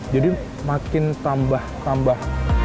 jadi makin tambah tambah